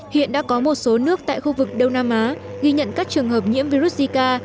hiện đã có một số nước tại khu vực đông nam á ghi nhận các trường hợp nhiễm virus zika